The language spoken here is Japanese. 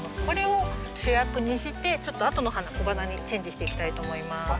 これを主役にしてちょっとあとの花小花にチェンジしていきたいと思います。